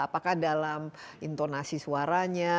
apakah dalam intonasi suaranya